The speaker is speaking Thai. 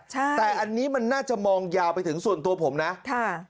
ใช่แต่อันนี้มันน่าจะมองยาวไปถึงส่วนตัวผมนะค่ะ